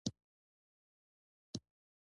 هغوی هلته خپل سوله ایز ژوند پیل کړ.